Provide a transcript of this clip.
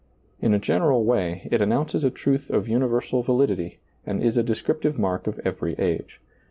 In a general way, it announces a truth of universal validity, and is a descriptive mark of every age.